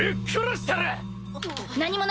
何者！